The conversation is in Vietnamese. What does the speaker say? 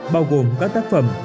bao gồm các tác phẩm